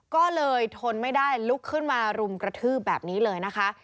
ก็เลยทนไม่ได้ลุกขึ้นมารุมกระทืบแบบนี้เลยนะคะ